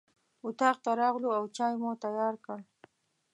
اطاق ته راغلو او چای مو تیار کړ.